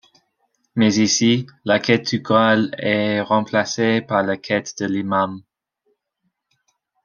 Mais ici, la quête du Graal est remplacée par la quête de l'imam.